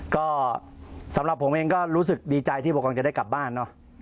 ก็สำหรับผมเองก็รู้สึกดีใจที่พวกเราจะได้กลับบ้านเนอะ